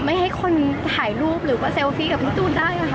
ไม่ให้คนถ่ายรูปหรือว่าเซลฟี่กับพี่ตูนได้ค่ะ